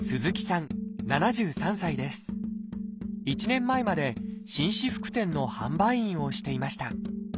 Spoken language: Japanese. １年前まで紳士服店の販売員をしていました。